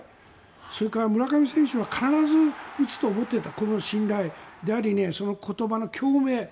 それから村上選手は必ず打つと思っていたこの信頼でありその言葉の共鳴